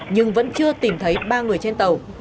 nhưng vẫn chưa tìm thấy ba người trên tàu